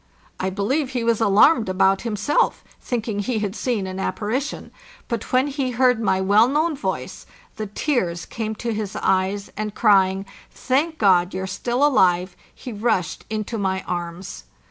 I believe he was alarmed about himself, thinking he had seen an apparition; but when he heard my well known voice the tears came to his eyes, and, crying, " Thank God, you're still alive!" he rushed into my arms.